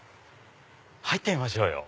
入ってみましょうよ。